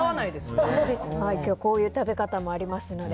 こういう食べ方もありますので。